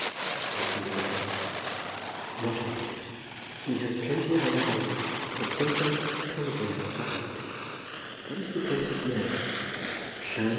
"Does he reside there?" "Not often. He has plenty of other houses, but he sometimes comes there to hunt." "What is the place's name?"